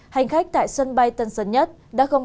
hành khách tại sân bay tân sơn nhất đã không